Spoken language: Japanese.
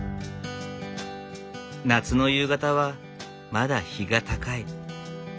夏の夕方はまだ日が高い。